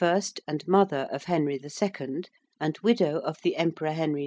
and mother of Henry II., and widow of the Emperor Henry V.